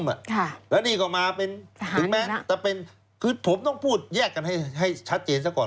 แล้วนี่ก็มาเป็นถึงแม้จะเป็นคือผมต้องพูดแยกกันให้ชัดเจนซะก่อน